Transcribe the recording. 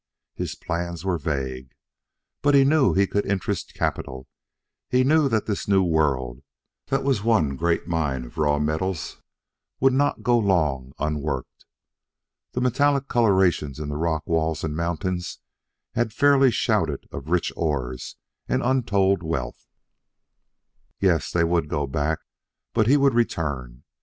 His plans were vague. But he knew he could interest capital; he knew that this new world, that was one great mine of raw metals, would not go long unworked. The metallic colorations in rock walls and mountains had fairly shouted of rich ores and untold wealth. Yes, they would go back, but he would return.